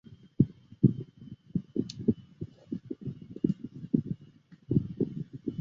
伊登镇区为美国堪萨斯州索姆奈县辖下的镇区。